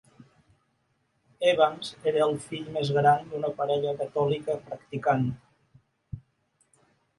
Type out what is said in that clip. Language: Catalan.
Evans era el fill més gran d'una parella catòlica practicant.